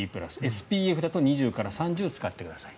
ＳＰＦだと２０から３０使ってください。